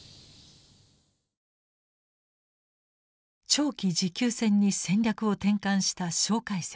長期持久戦に戦略を転換した介石。